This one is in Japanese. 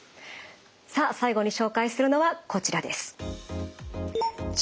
さあ最後に紹介するのはこちらです。